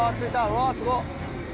うわすごっ！